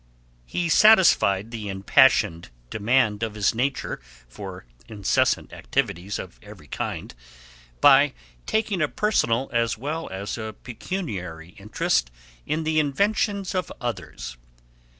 He satisfied the impassioned demand of his nature for incessant activities of every kind by taking a personal as well as a pecuniary interest in the inventions of others.